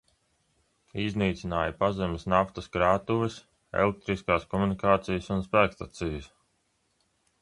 Iznīcināja pazemes naftas krātuves, elektriskās komunikācijas un spēkstacijas.